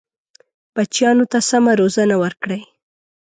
بچیانو ته سمه روزنه ورکړئ.